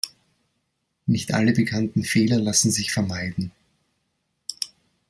Nicht alle bekannten Fehler lassen sich vermeiden.